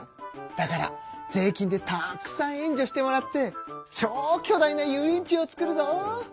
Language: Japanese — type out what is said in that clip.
だから税金でたくさん援助してもらって超巨大な遊園地を作るぞ！